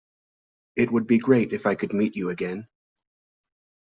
It would be great if I could meet you again.